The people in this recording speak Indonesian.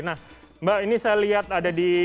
nah mbak ini saya lihat ada di